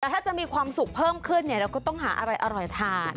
แต่ถ้าจะมีความสุขเพิ่มขึ้นเนี่ยเราก็ต้องหาอะไรอร่อยทาน